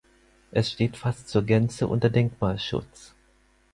Es steht fast zur Gänze unter Denkmalschutz.